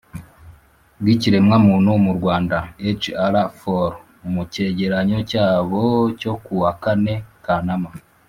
bw'ikiremwamuntu mu rwanda (hrfor) mu cyegeranyo cyabo cyo ku wa kane kanama